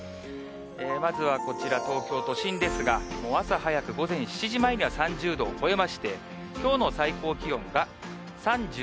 まずはこちら、東京都心ですが、もう朝早く午前７時前には３０度を超えまして、きょうの最高気温が３６．４度。